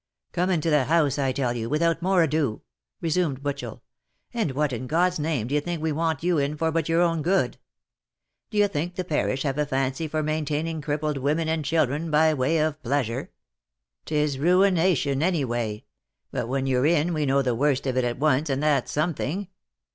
" Come into the house, I tell you, without more ado," resumed Butchel. " And what, in God's name, d'ye think we want you in for but your own good ? D'ye think the parish have a fancy for main taining crippled women and children, by way of a pleasure ? Tis ruination any way ; but when you're in, we know the worst of it at once, and that's something.